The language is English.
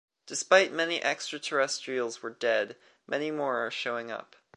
Despite many extraterrestrials were dead, many more are showing up.